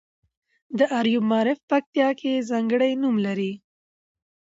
د اریوب معارف پکتیا کې ځانګړی نوم لري.